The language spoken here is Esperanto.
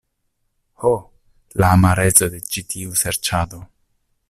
Ho, la amareco de ĉi tiu serĉado.